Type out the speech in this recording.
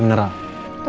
oke kalau gitu